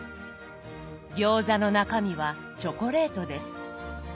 餃子の中身はチョコレートです。